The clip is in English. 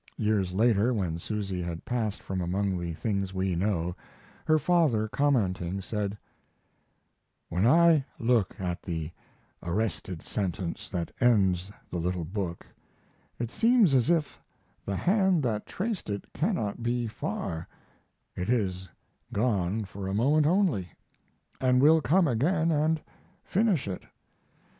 Years later, when Susy had passed from among the things we know, her father, commenting, said: When I look at the arrested sentence that ends the little book it seems as if the hand that traced it cannot be far it is gone for a moment only, and will come again and finish it.